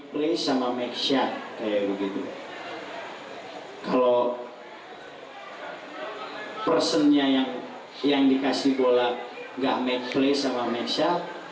kalo personnya yang dikasih bola gak make play sama meksa